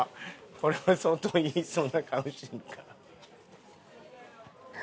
これは相当言いそうな顔。